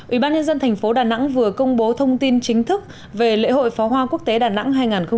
ủy ban nhân dân thành phố đà nẵng vừa công bố thông tin chính thức về lễ hội phó hoa quốc tế đà nẵng hai nghìn một mươi bảy